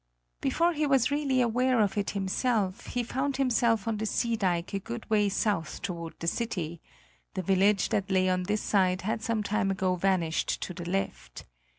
Before he was really aware of It himself, he found himself on the sea dike a good way south toward the city; the village that lay on this side had some time ago vanished to the left.